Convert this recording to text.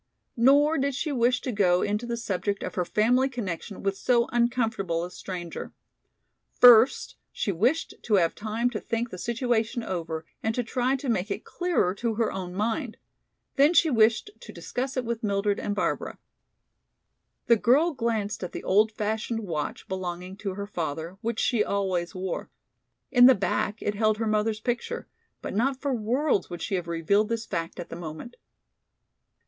Nor did she wish to go into the subject of her family connection with so uncomfortable a stranger. First she wished to have time to think the situation over and to try to make it clearer to her own mind. Then she wished to discuss it with Mildred and Barbara. The girl glanced at the old fashioned watch belonging to her father, which she always wore. In the back it held her mother's picture, but not for worlds would she have revealed this fact at the moment.